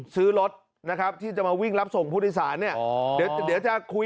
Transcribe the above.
ซื้อรถนะครับที่จะมาวิ่งรับส่งผู้โดยสารเนี่ยเดี๋ยวจะคุย